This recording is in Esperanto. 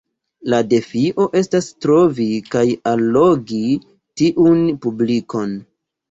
La defio estas trovi kaj allogi tiun publikon.